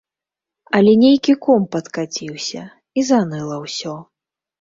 Але нейкі ком падкаціўся, і заныла ўсё.